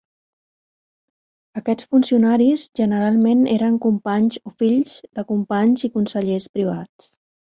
Aquests funcionaris generalment eren companys o fills de companys i consellers privats.